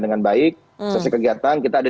dengan baik selesai kegiatan kita ada